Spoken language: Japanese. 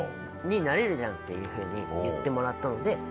なれるじゃんっていうふうに言ってもらったので。